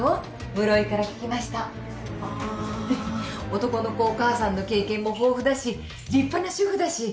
男の子お母さんの経験も豊富だし立派な主婦だし。